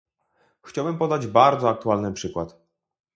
Chciałem podać bardzo aktualny przykład